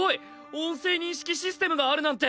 音声認識システムがあるなんて。